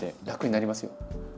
楽になりますよ。